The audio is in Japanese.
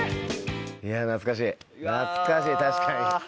いや懐かしい懐かしい確かに。